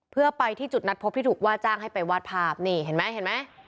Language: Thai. เพื่อไปที่จุดนัดพบที่ถูกว่าจ้างให้ไปวาดภาพนี่เห็นไหมเห็นไหม